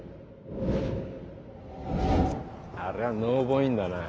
ありゃノーボインだな。